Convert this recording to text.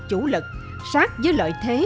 chủ lực sát với lợi thế